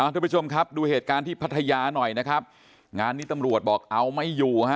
ทุกผู้ชมครับดูเหตุการณ์ที่พัทยาหน่อยนะครับงานนี้ตำรวจบอกเอาไม่อยู่ฮะ